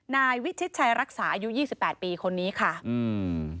นายวิธิชัยรักษาอายุ๒๘ปีคนนี้ค่ะอืม